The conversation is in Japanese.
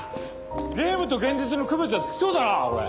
ゲームと現実の区別はつきそうだなこれ。